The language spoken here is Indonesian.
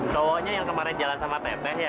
cowoknya yang kemarin jalan sama pepeh ya